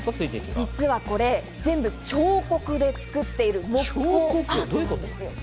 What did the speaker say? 実はこれ、全部彫刻で作っている木工アートなんですよ。